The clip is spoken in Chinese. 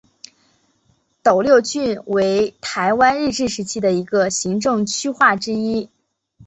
斗六郡为台湾日治时期的行政区划之一。